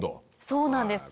そうなんです。